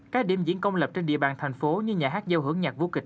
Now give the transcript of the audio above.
các điểm diễn công lập trên địa bàn thành phố như nhà hát gieo hưởng nhạc vô kịch